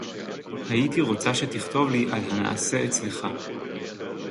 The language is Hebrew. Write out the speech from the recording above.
הָיִיתִי רוֹצָה שֶׁתִּכָּתֵב לִי עַל הַנַּעֲשֶׂה אֶצְלְךָ.